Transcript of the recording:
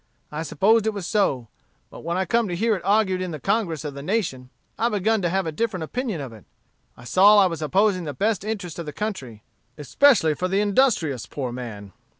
I supposed it was so; but when I come to hear it argued in the Congress of the nation, I begun to have a different opinion of it. I saw I was opposing the best interest of the country: especially for the industrious poor man.